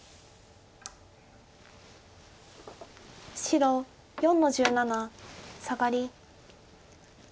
白４の十七サガリ。